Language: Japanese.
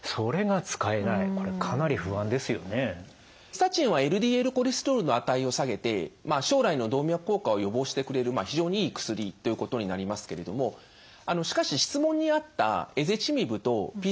スタチンはＬＤＬコレステロールの値を下げて将来の動脈硬化を予防してくれる非常にいい薬ということになりますけれどもしかし質問にあったエゼチミブとＰＣＳＫ